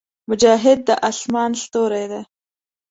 مجاهد د اسمان ستوری دی.